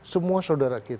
semua saudara kita